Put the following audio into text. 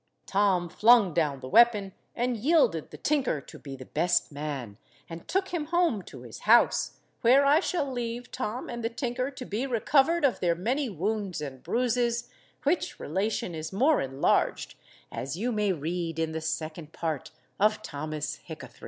Tom flung down the weapon, and yielded the tinker to be the best man, and took him home to his house, where I shall leave Tom and the tinker to be recovered of their many wounds and bruises, which relation is more enlarged as you may read in the second part of Thomas Hickathrift.